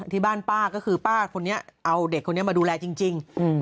ที่บ้านป้าก็คือป้าคนนี้เอาเด็กคนนี้มาดูแลจริง